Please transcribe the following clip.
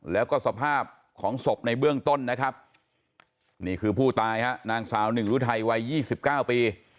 แล้วก็สภาพของศพในเบื้องต้นนะครับนี่คือผู้ตายฮะนางสาวหนึ่งรุไทยวัย๒๙ปี